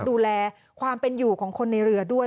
ดูแลความเป็นอยู่ของคนในเรือด้วย